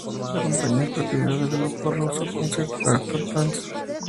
La compañía es propiedad del grupo ruso Concern Tractor Plants.